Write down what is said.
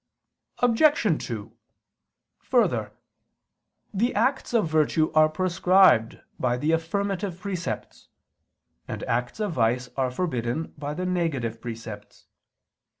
Obj. 2: Further, the acts of virtue are prescribed by the affirmative precepts, and acts of vice are forbidden by the negative precepts.